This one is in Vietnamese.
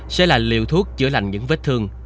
sẽ là liều thuốc chữa lành những vết thương